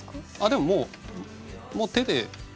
でももうもう手で。